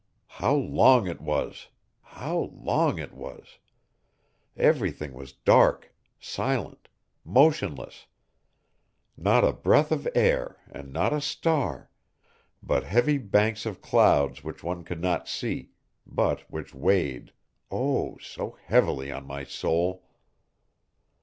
How long it was! how long it was! Everything was dark, silent, motionless, not a breath of air and not a star, but heavy banks of clouds which one could not see, but which weighed, oh! so heavily on my soul.